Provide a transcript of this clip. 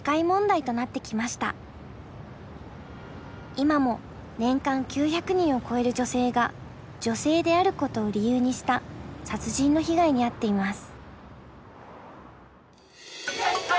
今も年間９００人を超える女性が女性であることを理由にした殺人の被害に遭っています。